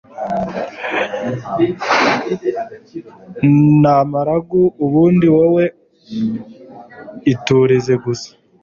namaguru ubundi wowe iturize gusa